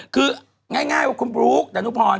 คือง่ายว่าคุณบลุ๊กดานุพร